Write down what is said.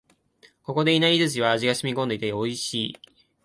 ここのいなり寿司は味が染み込んで美味しい